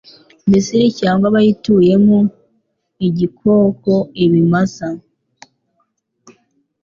Misiri cyangwa abayituyemo igikoko ibimasa